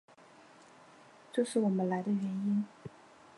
这是我们来的原因。